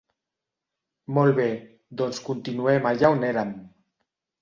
Molt bé, doncs continuem allà on érem.